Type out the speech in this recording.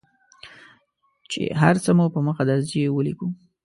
چې هر څه مو په مخه درځي ولیکو.